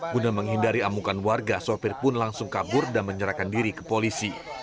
guna menghindari amukan warga sopir pun langsung kabur dan menyerahkan diri ke polisi